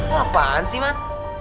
lo apaan sih man